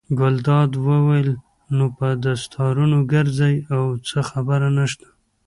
ګلداد وویل: نو په دستارونو ګرځئ او څه خبره نشته.